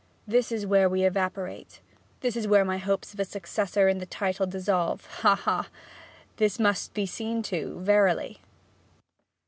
'This is where we evaporate this is where my hopes of a successor in the title dissolve ha, ha! This must be seen to, verily!'